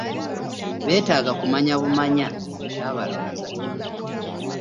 Beetaaga kumanya bumanya kyabalonza.